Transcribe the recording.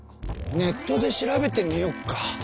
ネットで調べてみよっか。